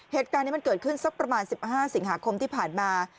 เหตุการณ์นี้มันเกิดขึ้นสักประมาณ๑๕สิงหาคมที่ผ่านมา